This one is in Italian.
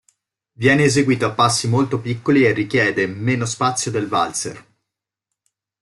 Viene eseguito a passi molto piccoli e richiede meno spazio del valzer.